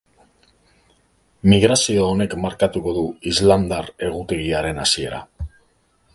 Migrazio honek markatuko du islamdar egutegiaren hasiera.